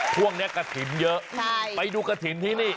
ท่วงเนี้ยกะถิ่นเยอะใช่ไปดูกะถิ่นที่นี่